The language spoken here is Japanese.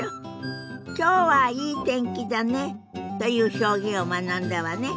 「きょうはいい天気だね」という表現を学んだわね。